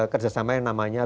kerjasama yang namanya